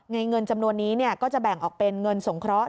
เงินจำนวนนี้ก็จะแบ่งออกเป็นเงินสงเคราะห